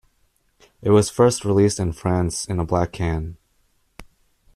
It was first released in France in a black can.